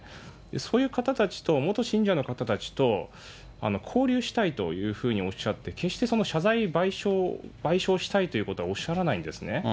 そういう方たちと、元信者の方たちと交流したいというふうにおっしゃって、決して謝罪、賠償したいということはおっしゃらないんですね。